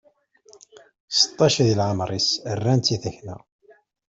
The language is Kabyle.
Seṭṭac di leɛmer-is, rran-tt i takna!